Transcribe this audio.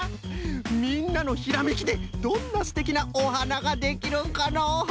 みんなのひらめきでどんなすてきなおはなができるんかのう？